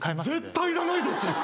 絶対いらないです。